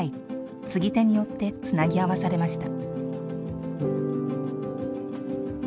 継手によってつなぎ合わされました。